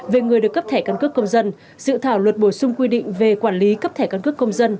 về người được cấp thẻ căn cước công dân sự thảo luật bổ sung quy định về quản lý cấp thẻ căn cước công dân